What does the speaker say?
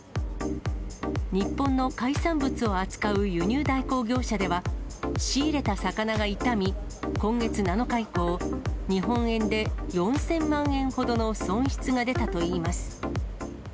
日本の海産物を扱う輸入代行業者では、仕入れた魚が傷み、今月７日以降、日本円で４０００万円ほどの損失が出たといいます。